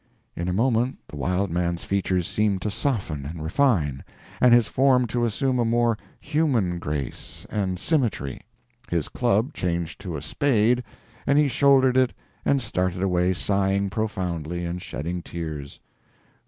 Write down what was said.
In a moment the Wild Man's features seemed to soften and refine, and his form to assume a more human grace and symmetry. His club changed to a spade, and he shouldered it and started away sighing profoundly and shedding tears.